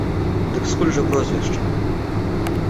Дык скуль жа прозвішча?